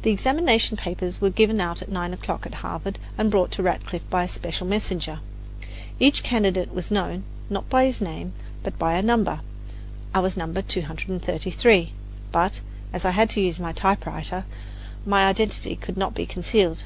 The examination papers were given out at nine o'clock at Harvard and brought to Radcliffe by a special messenger. Each candidate was known, not by his name, but by a number. I was No. 233, but, as I had to use a typewriter, my identity could not be concealed.